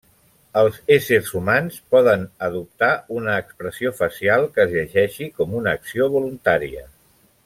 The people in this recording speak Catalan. Els éssers humans poden adoptar una expressió facial que es llegeixi com una acció voluntària.